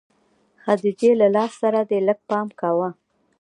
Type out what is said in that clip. خديجې له لاس سره دې لږ پام کوه.